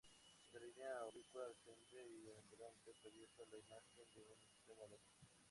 Una línea oblicua ascendente y ondulante atraviesa la imagen de un extremo al otro.